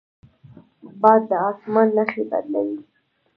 باد د اسمان نښې بدلوي